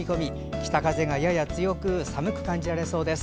北風がやや強く寒く感じられそうです。